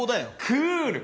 クール！